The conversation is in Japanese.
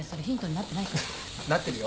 なってるよ。